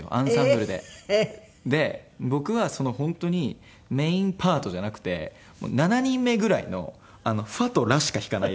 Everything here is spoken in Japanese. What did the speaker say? で僕は本当にメインパートじゃなくて７人目ぐらいの「ファ」と「ラ」しか弾かないやつ。